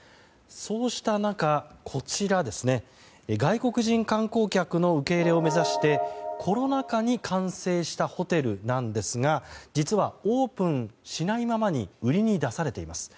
そうした中、外国人観光客の受け入れを目指してコロナ禍に完成したホテルなんですが実はオープンしないままに売りに出されています。